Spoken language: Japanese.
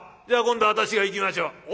では今度は私がいきましょう。